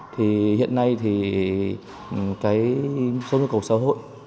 thì hiện nay thì cái số nhu cầu xã hội